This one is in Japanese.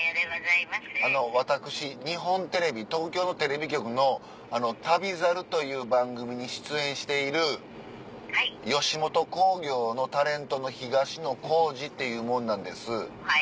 私日本テレビ東京のテレビ局の『旅猿』という番組に出演している吉本興業のタレントの東野幸治っていう者なんです。